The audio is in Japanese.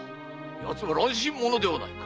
奴は乱心者ではないか。